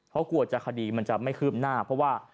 เพราะกลัวจะคดีมันจะไม่คืบหน้าเพราะว่า